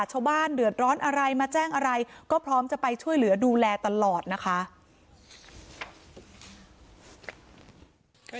ชาวบ้านเดือดร้อนอะไรมาแจ้งอะไรก็พร้อมจะไปช่วยเหลือดูแลตลอดนะคะ